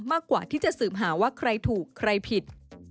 มากกว่าที่จะสืบหาว่าใครถูกใครผิด